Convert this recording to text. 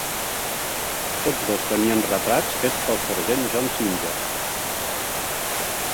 Tots dos tenien retrats fets pel sergent John Singer.